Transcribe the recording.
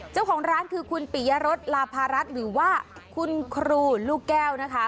เจ้าของร้านคือคุณปิยรสลาพารัฐหรือว่าคุณครูลูกแก้วนะคะ